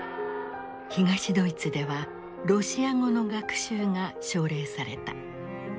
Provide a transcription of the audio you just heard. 東ドイツではロシア語の学習が奨励された。